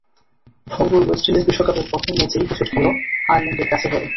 ভঙ্গুর West Indies বিশ্বকাপের প্রথম ম্যাচেই হোঁচট খেল আয়ারল্যান্ডের কাছে হেরে।